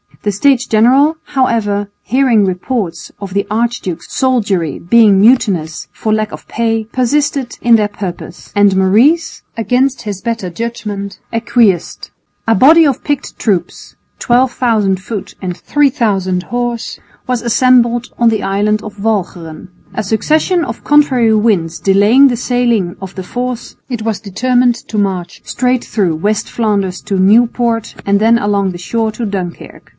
The States General, however, hearing reports of the archduke's soldiery being mutinous for lack of pay, persisted in their purpose, and Maurice, against his better judgment, acquiesced. A body of picked troops, 12,000 foot and 3000 horse, was assembled on the island of Walcheren. A succession of contrary winds delaying the sailing of the force, it was determined to march straight through West Flanders to Nieuport and then along the shore to Dunkirk.